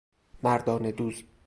مردانه دوز